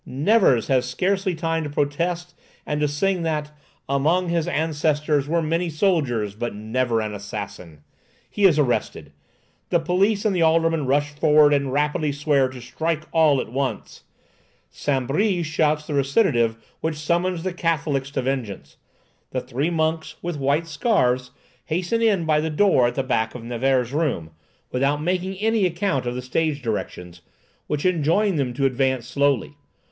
Nevers has scarcely time to protest, and to sing that "among his ancestors were many soldiers, but never an assassin." He is arrested. The police and the aldermen rush forward and rapidly swear "to strike all at once." Saint Bris shouts the recitative which summons the Catholics to vengeance. The three monks, with white scarfs, hasten in by the door at the back of Nevers's room, without making any account of the stage directions, which enjoin on them to advance slowly.